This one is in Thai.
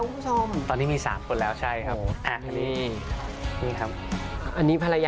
คุณผู้ชมไม่เจนเลยค่ะถ้าลูกคุณออกมาได้มั้ยคะ